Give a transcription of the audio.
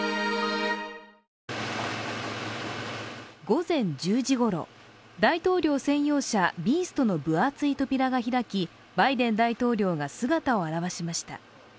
午前１０時ごろ、大統領専用車、ビーストの分厚い扉が開きバイデン大統領が姿を現しました。